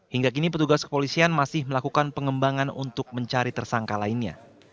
hingga kini petugas kepolisian masih melakukan pengembangan untuk mencari tersangka lainnya